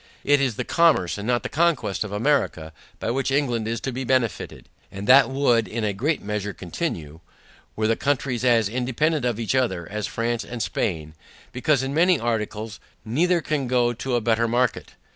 It is the commerce and not the conquest of America, by which England is to be benefited, and that would in a great measure continue, were the countries as independant of each other as France and Spain; because in many articles, neither can go to a better market.